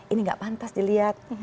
ini gak pantas dilihat